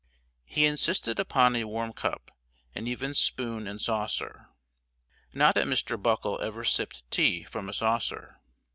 He insisted upon a warm cup, and even spoon, and saucer. Not that Mr. Buckle ever sipped tea from a saucer.